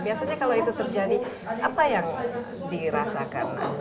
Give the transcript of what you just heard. biasanya kalau itu terjadi apa yang dirasakan